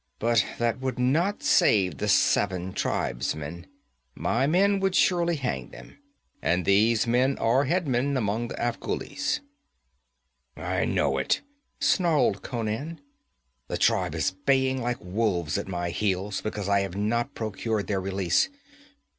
But that would not save the seven tribesmen. My men would surely hang them. And these men are headmen among the Afghulis.' 'I know it,' snarled Conan. 'The tribe is baying like wolves at my heels because I have not procured their release.